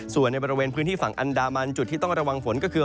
ส่วนในบริเวณพื้นที่ฝั่งอันดามันจุดที่ต้องระวังฝนก็คือ